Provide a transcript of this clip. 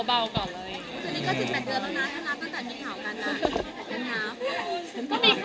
ว่าดูแบบแซวแรงไพร์